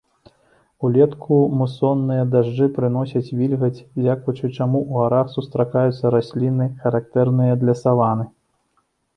Улетку мусонныя дажджы прыносяць вільгаць, дзякуючы чаму ў гарах сустракаюцца расліны, характэрныя для саванны.